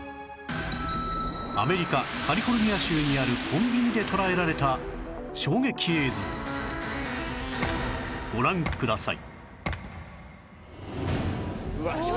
アメリカカリフォルニア州にあるコンビニで捉えられた衝撃映像ご覧ください